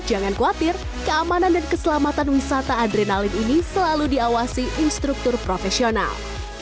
jangan khawatir keamanan dan keselamatan wisata adrenalin ini selalu diawasi instruktur profesional